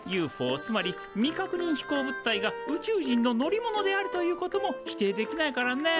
つまり未確認飛行物体が宇宙人の乗り物であるということも否定できないからね。